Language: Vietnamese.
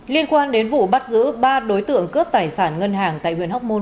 liên quan đến vụ bắt giữ ba đối tượng cướp tài sản ngân hàng tại huyện hóc môn